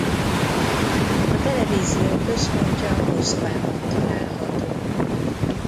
A televízió központja Moszkvában található.